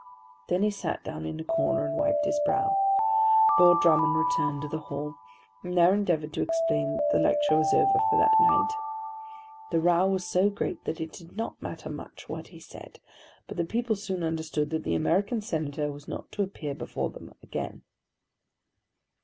Then he sat down in a corner, and wiped his brow. Lord Drummond returned to the hall, and there endeavoured to explain that the lecture was over for that night. The row was so great that it did not matter much what he said, but the people soon understood that the American Senator was not to appear before them again.